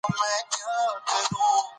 سیاسي ځواک بې کنټروله خطرناک دی